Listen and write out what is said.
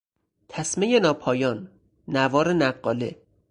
تسمهی ناپایان، نوار نقاله